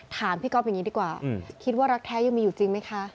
ถามพี่ก๊อฟอย่างนี้ดีกว่าคิดว่ารักแท้ยังมีอยู่จริงไหมคะ